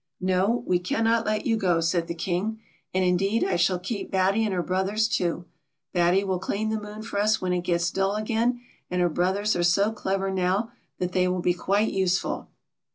" No ; we cannot let you go," said the King. " And, indeed, I shall keep Batty and her brothers, too. Batty will clean the moon for us when it gets dull again, and her brothers are so clever now that they will be quite useful.